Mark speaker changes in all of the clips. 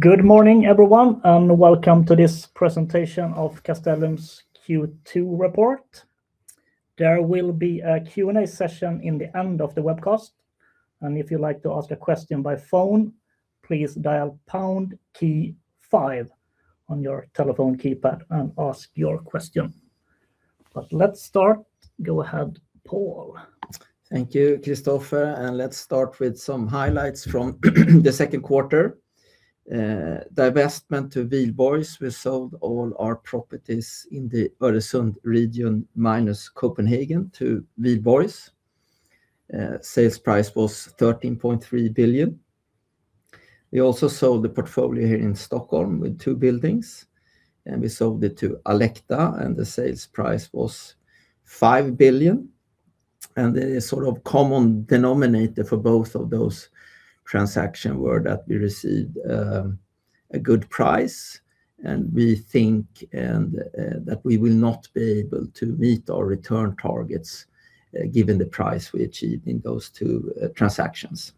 Speaker 1: Good morning, everyone. Welcome to this presentation of Castellum's Q2 report. There will be a Q&A session in the end of the webcast. If you'd like to ask a question by phone, please dial pound key five on your telephone keypad and ask your question. Let's start. Go ahead, Pål.
Speaker 2: Thank you, Christoffer. Let's start with some highlights from the second quarter. Divestment to Wihlborgs. We sold all our properties in the Öresund region, minus Copenhagen, to Wihlborgs. Sales price was 13.3 billion. We also sold the portfolio here in Stockholm with two buildings, we sold it to Alecta, the sales price was 5 billion. The common denominator for both of those transaction were that we received a good price, we think that we will not be able to meet our return targets given the price we achieved in those two transactions.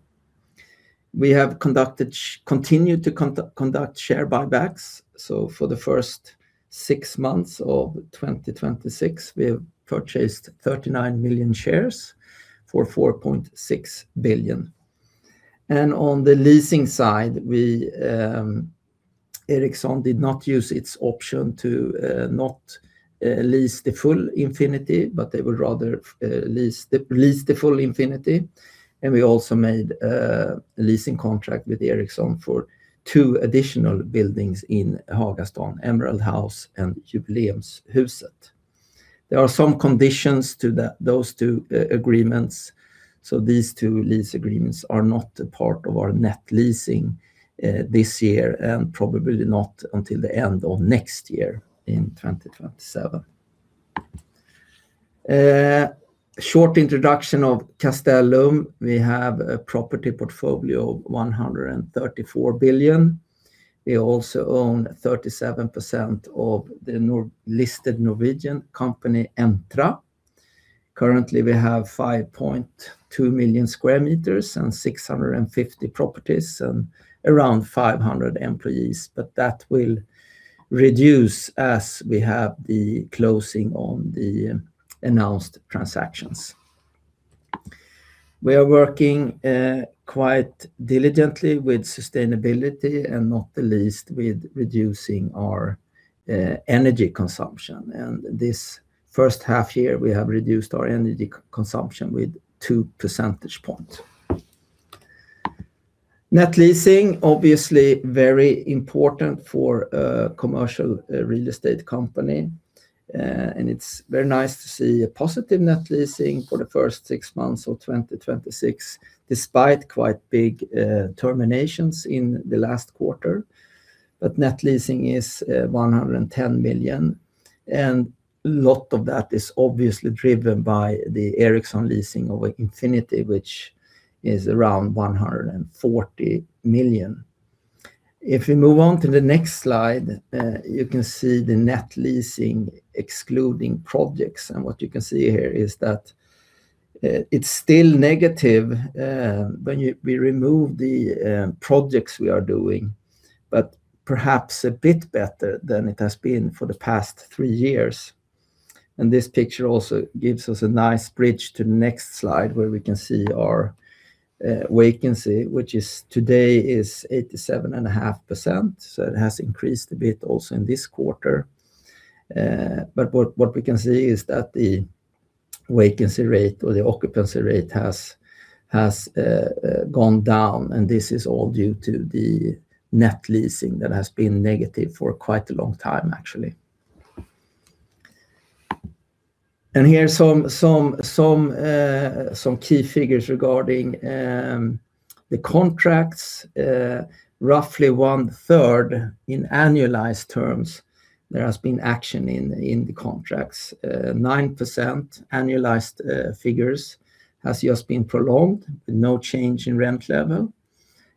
Speaker 2: We have continued to conduct share buybacks. For the first six months of 2026, we have purchased 39 million shares for 4.6 billion. On the leasing side, Ericsson did not use its option to not lease the full Infinity, they would rather lease the full Infinity. We also made a leasing contract with Ericsson for two additional buildings in Hagastaden, Emerald House and Jubileumshuset. There are some conditions to those two agreements. These two lease agreements are not a part of our net leasing this year, probably not until the end of next year in 2027. A short introduction of Castellum. We have a property portfolio of 134 billion. We also own 37% of the listed Norwegian company, Entra. Currently, we have 5.2 million square meters, 650 properties, and around 500 employees. That will reduce as we have the closing on the announced transactions. We are working quite diligently with sustainability and not the least with reducing our energy consumption. This first half year, we have reduced our energy consumption with 2 percentage points. Net leasing, obviously very important for a commercial real estate company. It's very nice to see a positive net leasing for the first six months of 2026, despite quite big terminations in the last quarter. Net leasing is 110 million. A lot of that is obviously driven by the Ericsson leasing over Infinity, which is around 140 million. If we move on to the next slide, you can see the net leasing excluding projects. What you can see here is that it's still negative when we remove the projects we are doing, but perhaps a bit better than it has been for the past three years. This picture also gives us a nice bridge to the next slide, where we can see our vacancy, which today is 87.5%. It has increased a bit also in this quarter. What we can see is that the vacancy rate or the occupancy rate has gone down, and this is all due to the net lease that has been negative for quite a long time, actually. Here are some key figures regarding the contracts. Roughly one-third in annualized terms, there has been action in the contracts. 9% annualized figures has just been prolonged. No change in rent level.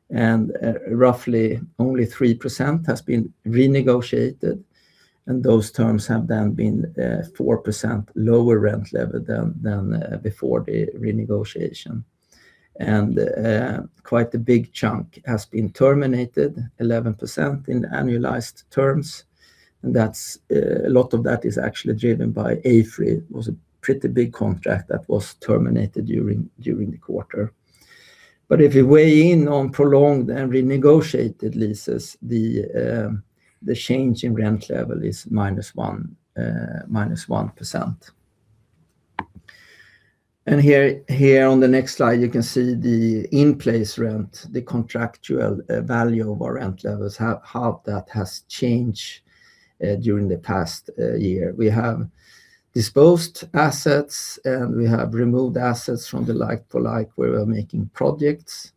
Speaker 2: Roughly only 3% has been renegotiated, and those terms have then been 4% lower rent level than before the renegotiation. Quite a big chunk has been terminated, 11% in annualized terms. A lot of that is actually driven by AFRY. It was a pretty big contract that was terminated during the quarter. If you weigh in on prolonged and renegotiated leases, the change in rent level is -1%. Here on the next slide, you can see the in-place rent, the contractual value of our rent levels, how that has changed during the past year. We have disposed assets, and we have removed assets from the like-for-like where we are making projects,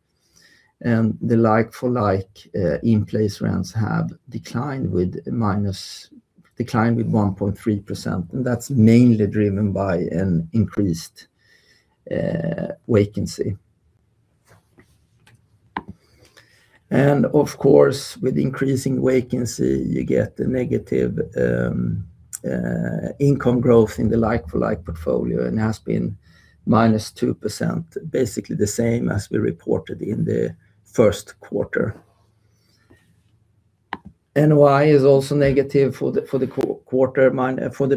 Speaker 2: and the like-for-like in-place rents have declined with 1.3%, and that's mainly driven by an increased vacancy. Of course, with increasing vacancy, you get a negative income growth in the like-for-like portfolio and has been -2%, basically the same as we reported in the first quarter. NOI is also negative for the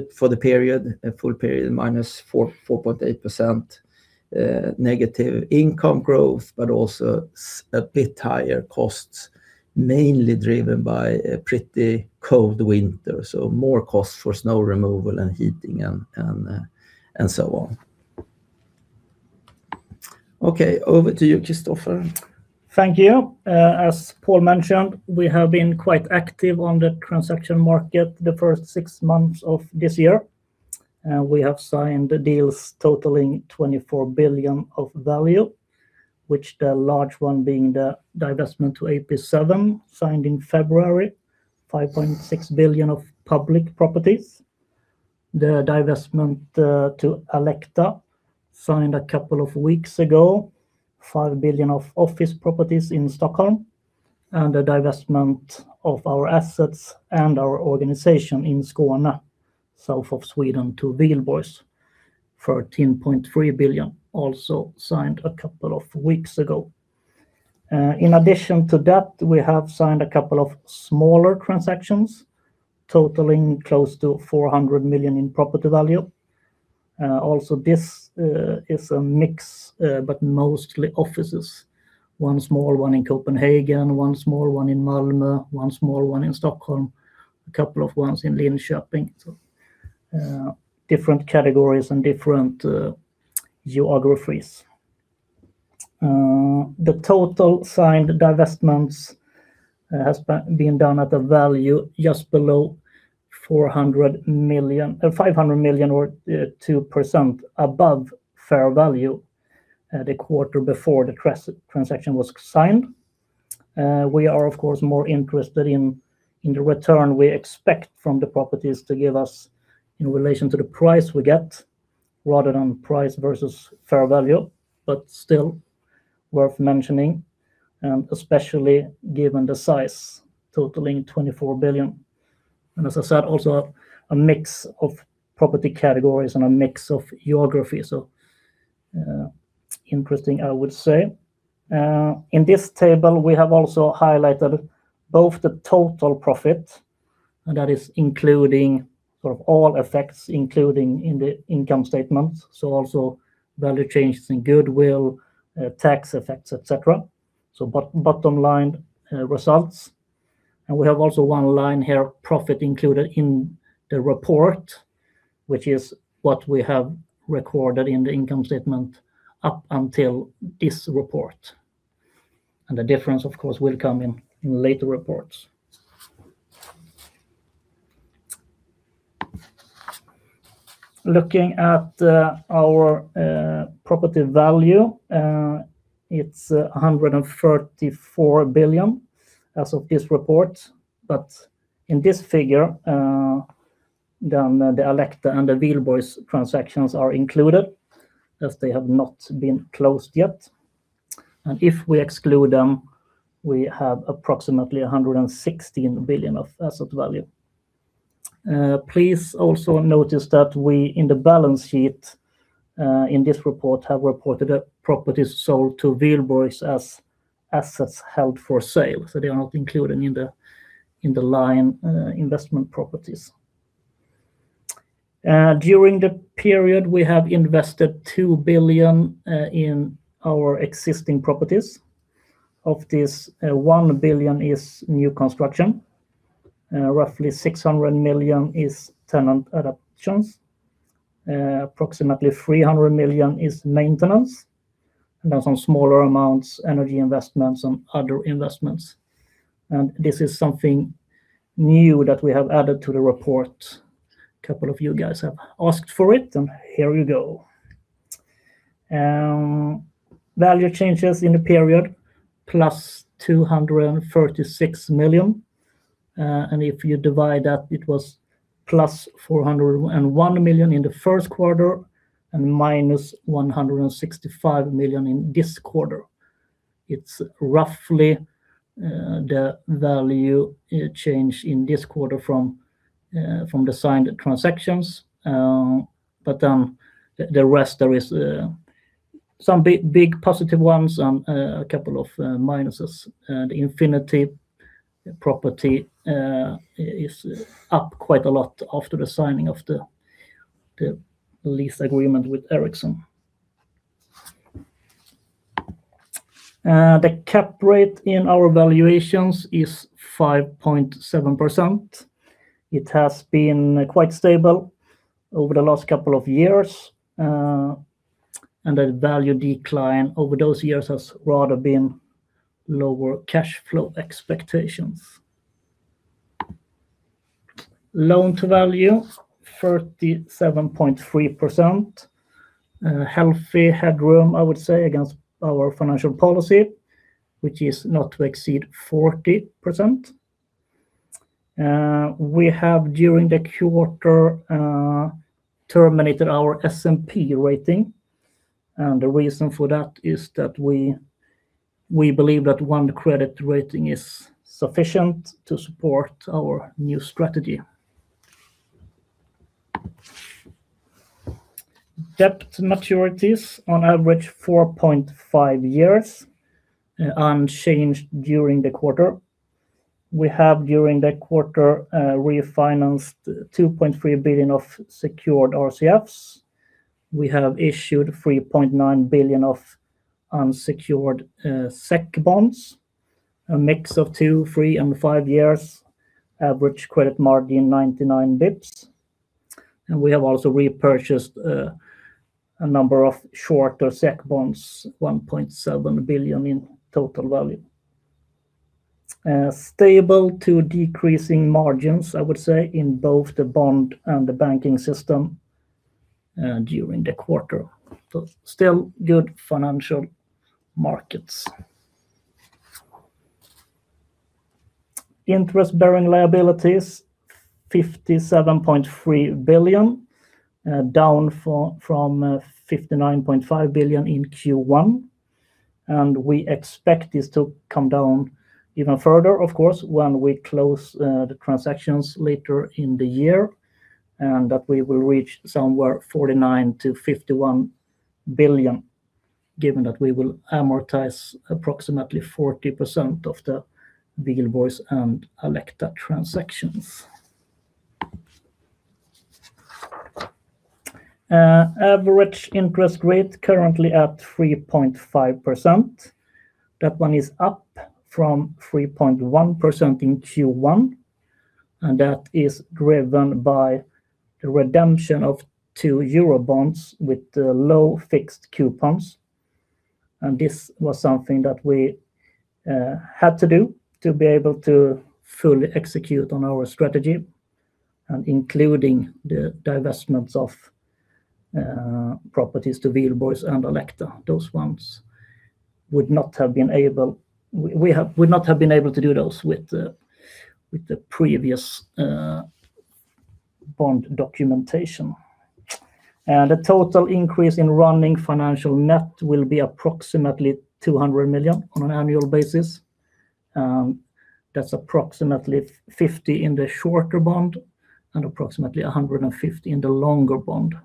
Speaker 2: full period, -4.8%. Negative income growth but also a bit higher costs, mainly driven by a pretty cold winter, so more cost for snow removal and heating, and so on. Over to you, Christoffer.
Speaker 1: Thank you. As Pål mentioned, we have been quite active on the transaction market the first six months of this year. We have signed deals totaling 24 billion of value, which the large one being the divestment to AP7, signed in February, 5.6 billion of public properties. The divestment to Alecta, signed a couple of weeks ago, 5 billion of office properties in Stockholm. The divestment of our assets and our organization in Skåne, south of Sweden, to Wihlborgs, 14.3 billion, also signed a couple of weeks ago. In addition to that, we have signed a couple of smaller transactions totaling close to 400 million in property value. This is a mix, mostly offices. One small one in Copenhagen, one small one in Malmö, one small one in Stockholm, a couple of ones in Linköping. Different categories and different geographies. The total signed divestments has been done at a value just below 500 million, or 2% above fair value, the quarter before the transaction was signed. We are, of course, more interested in the return we expect from the properties to give us in relation to the price we get, rather than price versus fair value. Still, worth mentioning, especially given the size totaling 24 billion. As I said, also a mix of property categories and a mix of geography. Interesting, I would say. In this table, we have also highlighted both the total profit, that is including all effects, including in the income statements—so also value changes in goodwill, tax effects, et cetera. Bottom-line results. We have also one line here, profit included in the report, which is what we have recorded in the income statement up until this report. The difference, of course, will come in later reports. Looking at our property value, it's 134 billion as of this report. But in this figure, then the Alecta and the Wihlborgs transactions are included as they have not been closed yet. If we exclude them, we have approximately 116 billion of asset value. Please also notice that we, in the balance sheet in this report, have reported properties sold to Wihlborgs as assets held for sale. So they are not included in the line investment properties. During the period, we have invested 2 billion in our existing properties. Of this, 1 billion is new construction. Roughly 600 million is tenant adaptations. Approximately 300 million is maintenance, and then some smaller amounts—energy investments and other investments. This is something new that we have added to the report. A couple of you guys have asked for it, and here you go. Value changes in the period, +236 million. If you divide that, it was +401 million in the first quarter and -165 million in this quarter. It's roughly the value change in this quarter from the signed transactions. The rest there is some big positive ones and a couple of minuses. The Infinity property is up quite a lot after the signing of the lease agreement with Ericsson. The capitalization rate in our valuations is 5.7%. It has been quite stable over the last couple of years. The value decline over those years has rather been lower cash flow expectations. Loan-to-value, 37.3%. Healthy headroom, I would say, against our financial policy, which is not to exceed 40%. We have, during the quarter, terminated our S&P rating. The reason for that is that we believe that one credit rating is sufficient to support our new strategy. Debt maturities, on average four and a half years, unchanged during the quarter. We have, during the quarter, refinanced 2.3 billion of secured RCFs. We have issued 3.9 billion of unsecured SEK bonds, a mix of two, three, and five years, average credit margin 99 basis points. We have also repurchased a number of shorter SEK bonds, 1.7 billion in total value. Stable to decreasing margins, I would say, in both the bond and the banking system during the quarter. So still good financial markets. Interest-bearing liabilities, 57.3 billion, down from 59.5 billion in Q1. We expect this to come down even further, of course, when we close the transactions later in the year, and that we will reach somewhere 49 billion-51 billion, given that we will amortize approximately 40% of the Wihlborgs and Alecta transactions. Average interest rate currently at 3.5%. That one is up from 3.1% in Q1, and that is driven by the redemption of two eurobonds with low fixed coupons. This was something that we had to do to be able to fully execute on our strategy, including the divestments of properties to Wihlborgs and Alecta. We would not have been able to do those with the previous bond documentation. The total increase in running financial net will be approximately 200 million on an annual basis. That's approximately 50 million in the shorter bond and approximately 150 million in the longer bond.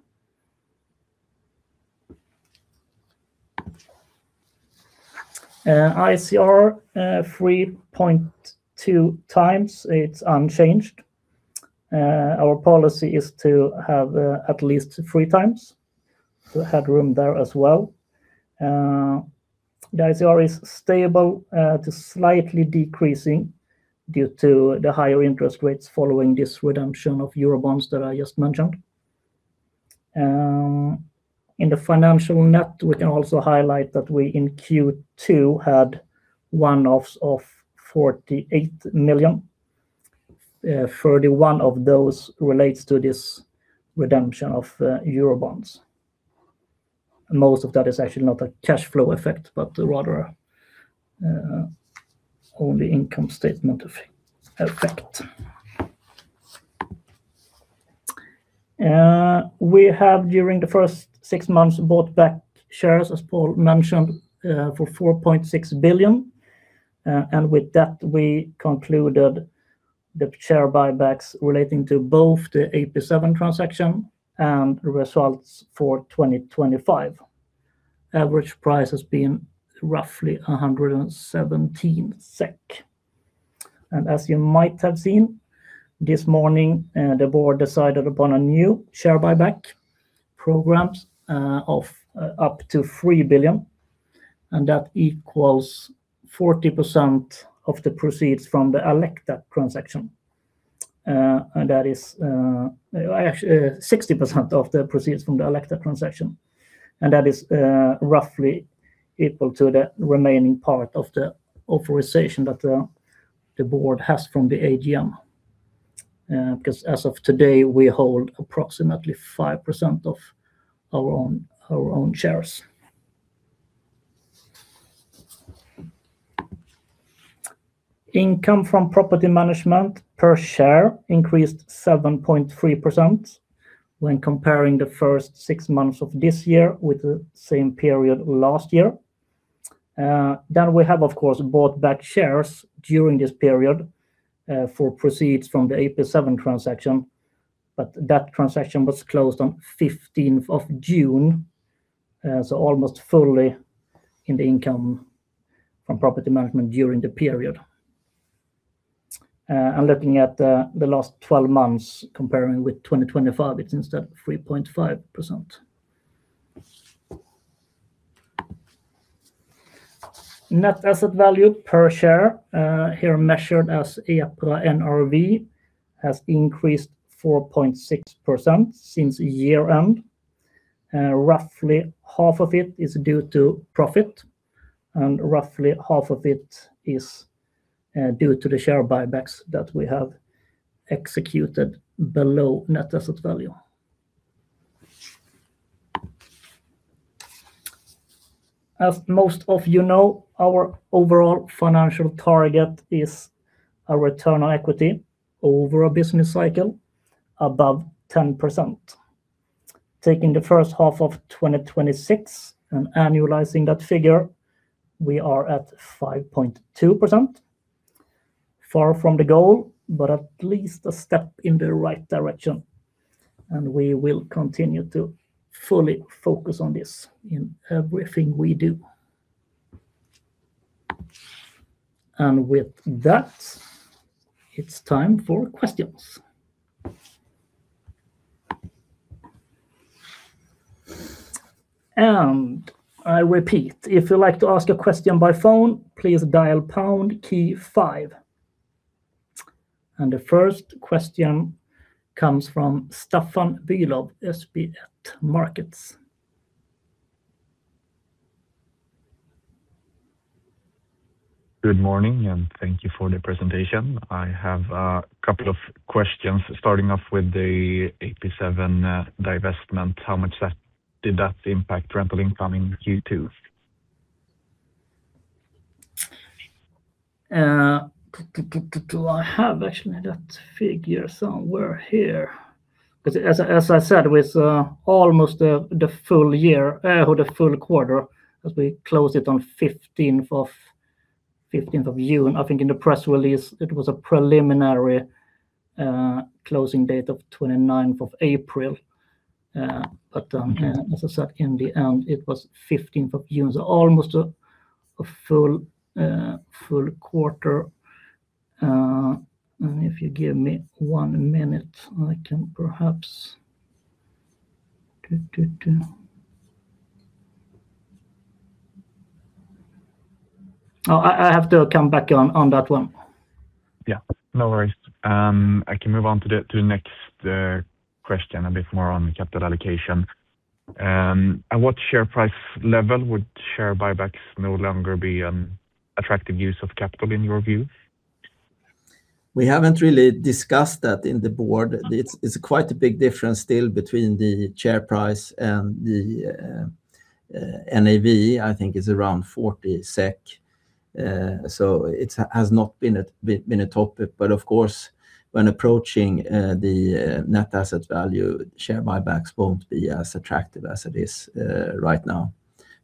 Speaker 1: ICR 3.2x, it's unchanged. Our policy is to have at least 3x, we had room there as well. The ICR is stable to slightly decreasing due to the higher interest rates following this redemption of eurobonds that I just mentioned. In the financial net, we can also highlight that we in Q2 had one-offs of 48 million. 31 million of those relates to this redemption of eurobonds. Most of that is actually not a cash flow effect, rather only income statement effect. We have, during the first six months, bought back shares, as Pål mentioned, for 4.6 billion. With that, we concluded the share buybacks relating to both the AP7 transaction and results for 2025. Average price has been roughly 117 SEK. As you might have seen, this morning, the board decided upon a new share buyback program of up to 3 billion, that equals 40% of the proceeds from the Alecta transaction. Actually, 60% of the proceeds from the Alecta transaction. That is roughly equal to the remaining part of the authorization that the board has from the AGM. As of today, we hold approximately 5% of our own shares. Income from property management per share increased 7.3% when comparing the first six months of this year with the same period last year. We have, of course, bought back shares during this period for proceeds from the AP7 transaction, that transaction was closed on 15th of June, almost fully in the income from property management during the period. Looking at the last 12 months, comparing with 2025, it's instead 3.5%. Net asset value per share, here measured as EPRA NRV, has increased 4.6% since year end. Roughly half of it is due to profit, roughly half of it is due to the share buybacks that we have executed below net asset value. As most of you know, our overall financial target is a return on equity over a business cycle above 10%. Taking the first half of 2026 and annualizing that figure, we are at 5.2%. Far from the goal, but at least a step in the right direction. We will continue to fully focus on this in everything we do. With that, it's time for questions. I repeat, if you'd like to ask a question by phone, please dial pound key five. The first question comes from Staffan Bülow, SB1 Markets.
Speaker 3: Good morning, thank you for the presentation. I have a couple of questions starting off with the AP7 divestment. How much did that impact rental income in Q2?
Speaker 1: Do I have actually that figure somewhere here? As I said, with almost the full quarter, as we closed it on 15th of June. I think in the press release, it was a preliminary closing date of 29th of April. As I said, in the end, it was 15th of June, so almost a full quarter. If you give me one minute, I can perhaps—I have to come back on that one.
Speaker 3: No worries. I can move on to the next question a bit more on capital allocation. At what share price level would share buybacks no longer be an attractive use of capital in your view?
Speaker 2: We haven't really discussed that in the board. It's quite a big difference still between the share price and the NAV, I think it's around 40 SEK. It has not been a topic, of course, when approaching the net asset value, share buybacks won't be as attractive as it is right now.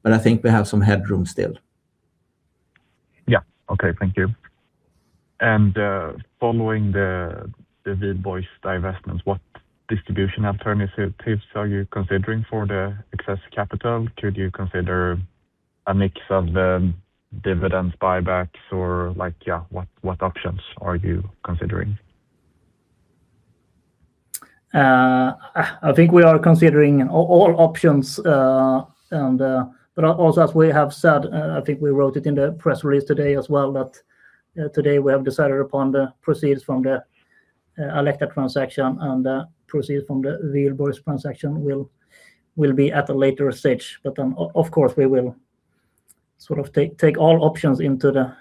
Speaker 2: I think we have some headroom still.
Speaker 3: Thank you. Following the Wihlborgs divestments, what distribution alternatives are you considering for the excess capital? Could you consider a mix of dividends, buybacks, or what options are you considering?
Speaker 1: I think we are considering all options. Also, as we have said, I think we wrote it in the press release today as well that today we have decided upon the proceeds from the Alecta transaction. The proceeds from the Wihlborgs transaction will be at a later stage. Of course, we will take all options into the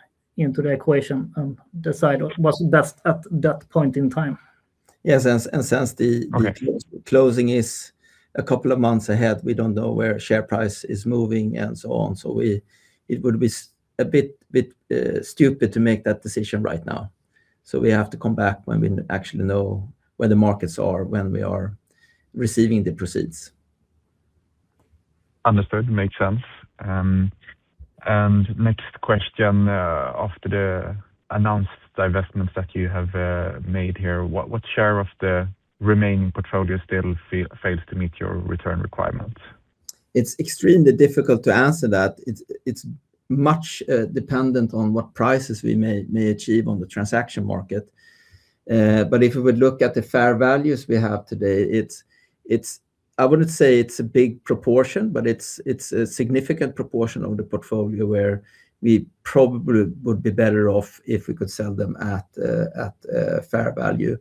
Speaker 1: equation and decide what's best at that point in time.
Speaker 2: Yes, since the closing is a couple of months ahead, we don't know where share price is moving and so on. It would be a bit stupid to make that decision right now. We have to come back when we actually know where the markets are when we are receiving the proceeds.
Speaker 3: Understood. Makes sense. Next question, after the announced divestments that you have made here, what share of the remaining portfolio still fails to meet your return requirements?
Speaker 2: It's extremely difficult to answer that. It's much dependent on what prices we may achieve on the transaction market. If we look at the fair values we have today, I wouldn't say it's a big proportion, but it's a significant proportion of the portfolio where we probably would be better off if we could sell them at fair value.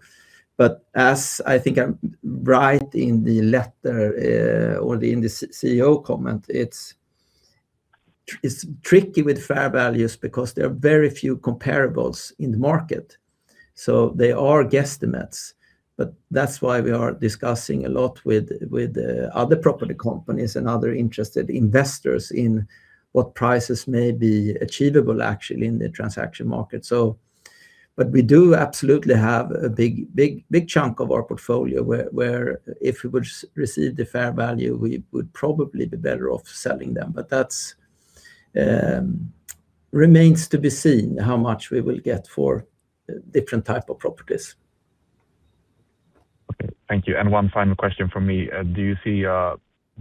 Speaker 2: As I think I write in the letter or in the CEO comment, it's tricky with fair values because there are very few comparables in the market, so they are guesstimates. That's why we are discussing a lot with other property companies and other interested investors in what prices may be achievable actually in the transaction market. We do absolutely have a big chunk of our portfolio where if we would receive the fair value, we would probably be better off selling them. That remains to be seen how much we will get for different type of properties.
Speaker 3: Thank you. One final question from me. Do you see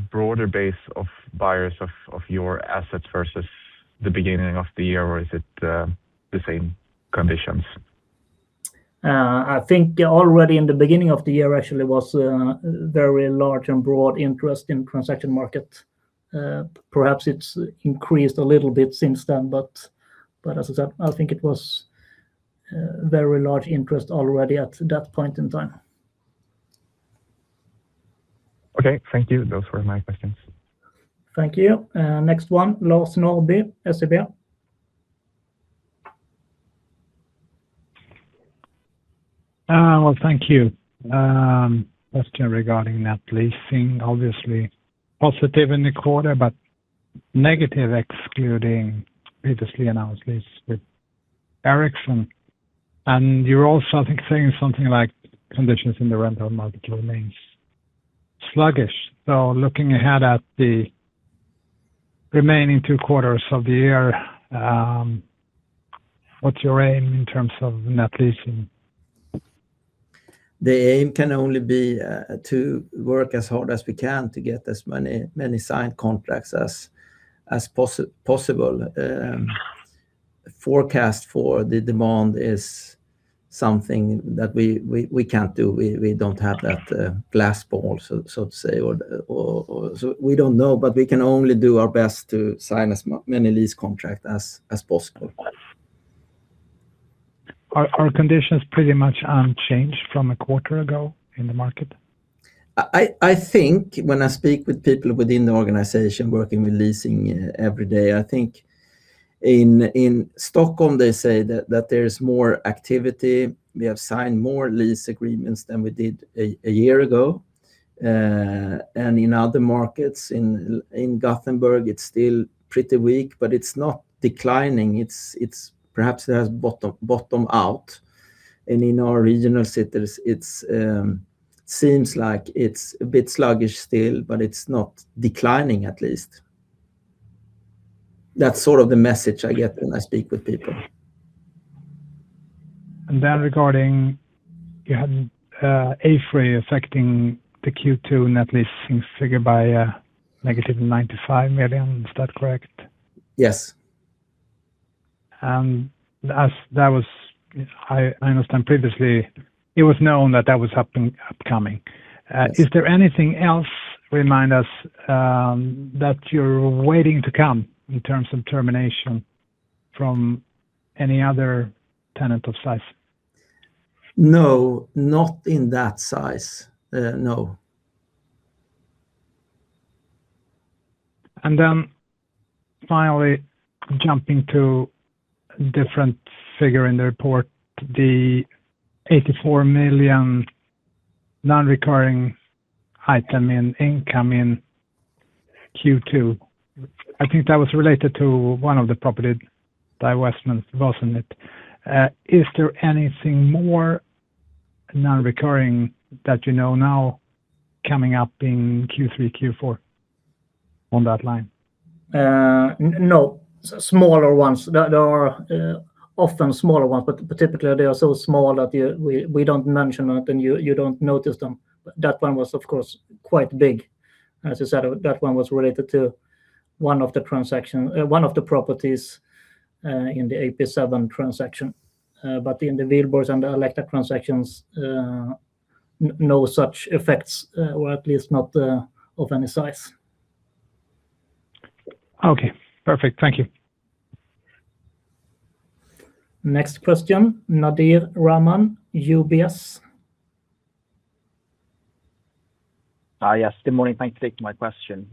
Speaker 3: a broader base of buyers of your assets versus the beginning of the year, or is it the same conditions?
Speaker 1: I think already in the beginning of the year, actually, was very large and broad interest in transaction market. Perhaps it's increased a little bit since then, as I said, I think it was very large interest already at that point in time.
Speaker 3: Thank you. Those were my questions.
Speaker 1: Thank you. Next one, Lars Norrby, SEB.
Speaker 4: Thank you. Question regarding net lease, obviously positive in the quarter, but negative excluding previously announced lease with Ericsson. You're also, I think, saying something like conditions in the rental market remains sluggish. Looking ahead at the remaining two quarters of the year, what's your aim in terms of net lease?
Speaker 2: The aim can only be to work as hard as we can to get as many signed contracts as possible. Forecast for the demand is something that we can't do. We don't have that glass ball, so to say. We don't know, but we can only do our best to sign as many lease contract as possible.
Speaker 4: Are conditions pretty much unchanged from a quarter ago in the market?
Speaker 2: I think when I speak with people within the organization working with leasing every day, I think in Stockholm, they say that there's more activity. We have signed more lease agreements than we did a year ago. In other markets, in Gothenburg, it's still pretty weak, but it's not declining. Perhaps it has bottomed out. In our regional cities, it seems like it's a bit sluggish still, but it's not declining at least. That's sort of the message I get when I speak with people.
Speaker 4: You had AFRY affecting the Q2 net lease figure by a -95 million. Is that correct?
Speaker 2: Yes.
Speaker 4: As I understand previously, it was known that that was upcoming.
Speaker 2: Yes.
Speaker 4: Is there anything else, remind us, that you're waiting to come in terms of termination from any other tenant of size?
Speaker 2: No, not in that size. No.
Speaker 4: Finally, jumping to a different figure in the report, the 84 million non-recurring item in income in Q2. I think that was related to one of the property divestments, wasn't it? Is there anything more non-recurring that you know now coming up in Q3, Q4 on that line?
Speaker 1: No. Smaller ones. There are often smaller ones, but typically they are so small that we don't mention it, and you don't notice them. That one was of course quite big. As I said, that one was related to one of the properties in the AP7 transaction. In the Wihlborgs and the Alecta transactions, no such effects, or at least not of any size.
Speaker 4: Perfect. Thank you.
Speaker 1: Next question, Nadir Rahman, UBS.
Speaker 5: Good morning. Thanks for taking my question.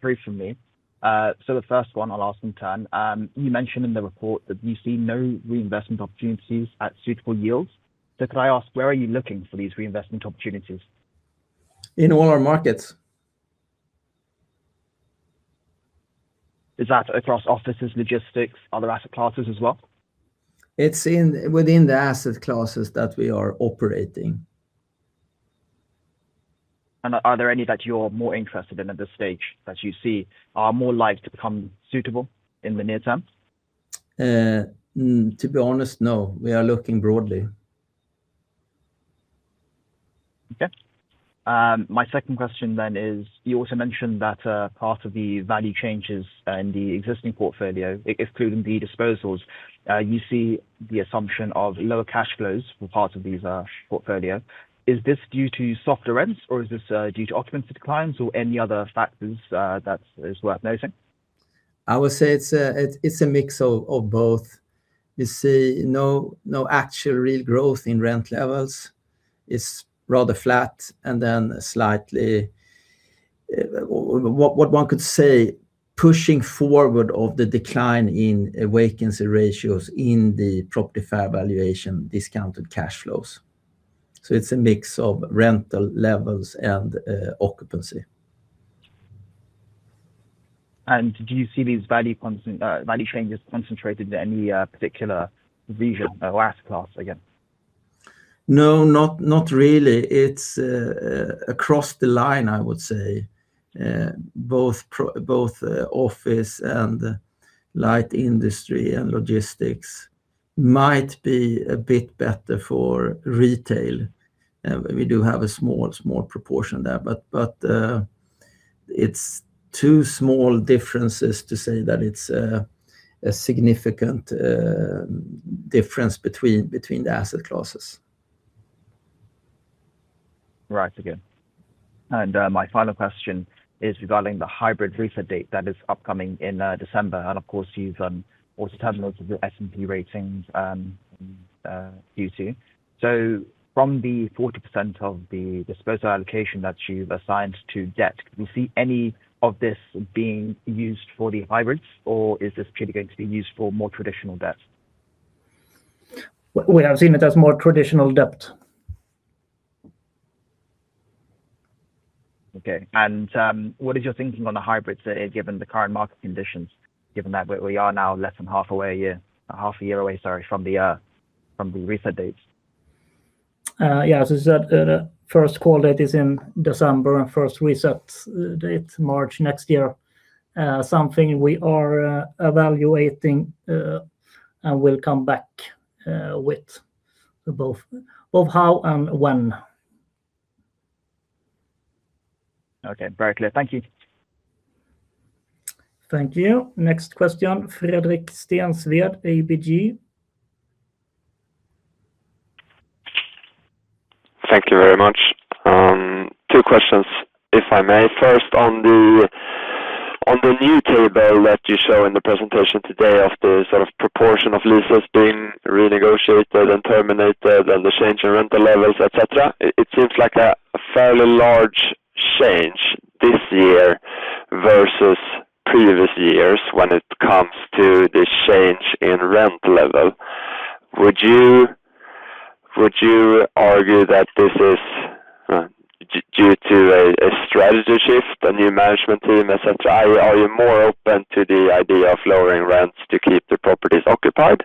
Speaker 5: Three from me. The first one I'll ask in turn. You mentioned in the report that you see no reinvestment opportunities at suitable yields. Could I ask where are you looking for these reinvestment opportunities?
Speaker 2: In all our markets.
Speaker 5: Is that across offices, logistics, other asset classes as well?
Speaker 2: It's within the asset classes that we are operating.
Speaker 5: Are there any that you're more interested in at this stage that you see are more likely to become suitable in the near term?
Speaker 2: To be honest, no. We are looking broadly.
Speaker 5: My second question is, you also mentioned that part of the value changes in the existing portfolio, excluding the disposals you see the assumption of lower cash flows for parts of these portfolio. Is this due to softer rents, or is this due to occupancy declines or any other factors that is worth noting?
Speaker 2: I would say it's a mix of both. We see no actual real growth in rent levels. It's rather flat and then slightly, what one could say, pushing forward of the decline in vacancy ratios in the property fair valuation discounted cash flows. It's a mix of rental levels and occupancy.
Speaker 5: Do you see these value changes concentrated in any particular region or asset class again?
Speaker 2: No, not really. It's across the line, I would say. Both office and light industry and logistics. Might be a bit better for retail. We do have a small proportion there. It's two small differences to say that it's a significant difference between the asset classes.
Speaker 5: My final question is regarding the hybrid reset date that is upcoming in December, and of course you've also terminated your S&P ratings due too. From the 40% of the disposal allocation that you've assigned to debt, do you see any of this being used for the hybrids, or is this purely going to be used for more traditional debt?
Speaker 1: We are seeing it as more traditional debt.
Speaker 5: What is your thinking on the hybrids given the current market conditions, given that we are now less than half a year away from the reset dates?
Speaker 1: The first call date is in December, and the first reset date is March next year. Something we are evaluating, and we'll come back with both how and when.
Speaker 5: Very clear. Thank you.
Speaker 1: Thank you. Next question, Fredrik Stensved, ABG.
Speaker 6: Thank you very much. Two questions, if I may. First, on the new table that you show in the presentation today of the proportion of leases being renegotiated and terminated and the change in rental levels, et cetera. It seems like a fairly large change this year versus previous years when it comes to the change in rent level. Would you argue that this is due to a strategy shift, a new management team, et cetera? Are you more open to the idea of lowering rents to keep the properties occupied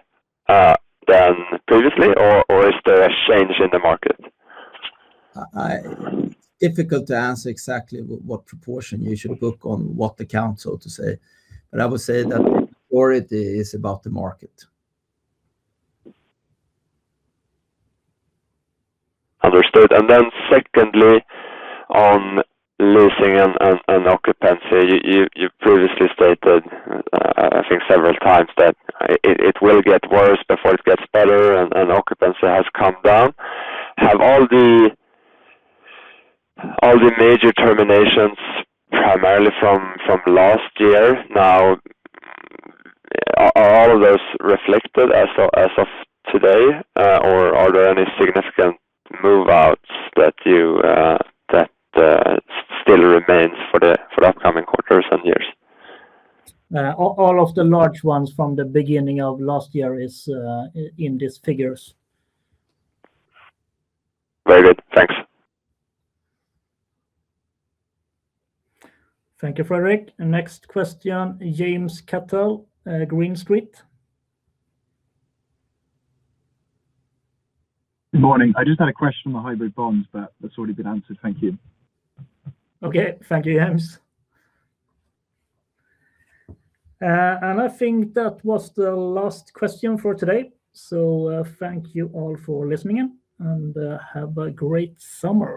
Speaker 6: than previously, or is there a change in the market?
Speaker 2: Difficult to answer exactly what proportion you should book on what account, so to say. I would say that the priority is about the market.
Speaker 6: Understood. Secondly, on leasing and occupancy, you previously stated, I think several times, that it will get worse before it gets better and occupancy has come down. Have all the major terminations primarily from last year now? Are all of those reflected as of today or are there any significant move-outs that still remains for the upcoming quarters and years?
Speaker 1: All of the large ones from the beginning of last year is in these figures.
Speaker 6: Very good. Thanks.
Speaker 1: Thank you, Fredrik. Next question, James Cattell, Green Street.
Speaker 7: Good morning. I just had a question on the hybrid bonds, but that's already been answered. Thank you.
Speaker 1: Thank you, James. I think that was the last question for today. Thank you all for listening in and have a great summer.